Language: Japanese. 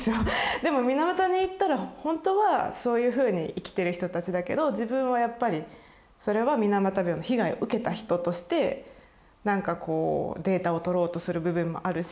でも水俣に行ったらほんとはそういうふうに生きてる人たちだけど自分はやっぱりそれは水俣病の被害を受けた人としてなんかこうデータを取ろうとする部分もあるし